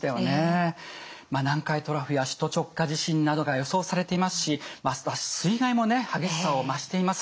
南海トラフや首都直下地震などが予想されていますしますます水害もね激しさを増しています。